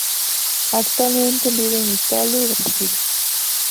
Actualmente vive entre Italia y Brasil.